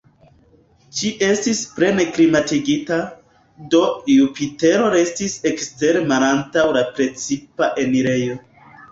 Ĝi estis plene klimatigita, do Jupitero restis ekstere malantaŭ la precipa enirejo.